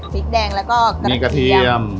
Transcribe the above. พริกแดงแล้วก็กระเบียม